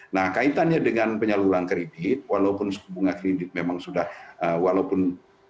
nah kaitannya dengan penyaluran kredit walaupun suku bunga kredit memang sudah walaupun